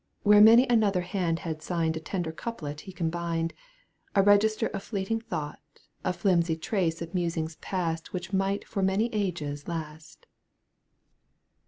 Where many another hand had signed A tender couplet he combined, A register of fleeting thought, A flimsy trace of musings past Which might for many ages last.